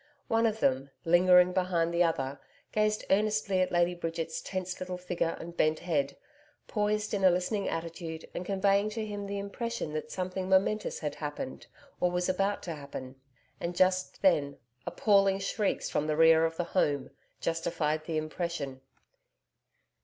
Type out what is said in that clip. One of them, lingering behind the other, gazed earnestly at Lady Bridget's tense little figure and bent head, poised in a listening attitude and conveying to him the impression that something momentous had happened or was about to happen. And just then, appalling shrieks, from the rear of the home, justified the impression.